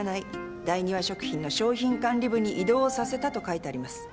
ダイニワ食品の商品管理部に異動させた」と書いてあります。